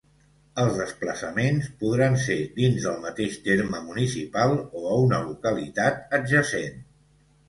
Els desplaçaments podran ser dins del mateix terme municipal o a una localitat adjacent.